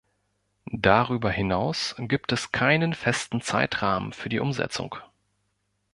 Darüber hinaus gibt es keinen festen Zeitrahmen für die Umsetzung.